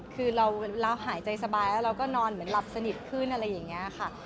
คือเราหายใจสบายแล้วเราก็นอนเหมือนหลับสนิทขึ้นอะไรอย่างนี้ค่ะ